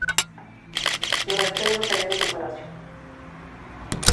Los arqueólogos hallaron su palacio.